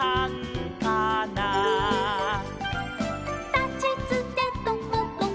「たちつてとことこ」